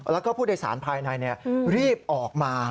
แล้วก็ผู้โดยสารภายในรีบออกมา